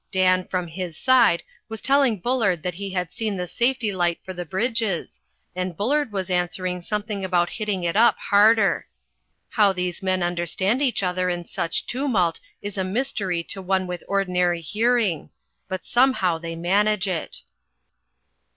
Dan, from his side, was telling Bullard that he had seen the safety light for the bridges, and Bullard was answering something about hitting it up harder. How these men understand each other in such tumult is a mystery to one with ordinary hearing, but somehow they manage it.